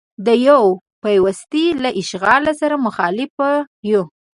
د یوې پوستې له اشغال سره مخالف یو.